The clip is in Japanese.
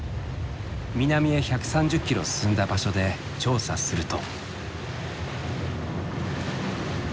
南へ１３０キロ進んだ場所で調査すると。